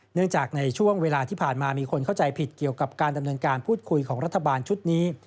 เนื่องจากในช่วงเวลาที่ผ่านมามีคนเข้าใจผิดเกี่ยวกับการดำเนินการพูดคุยของรัฐบาลชุดนี้